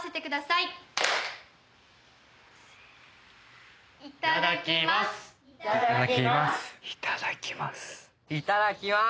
いただきます。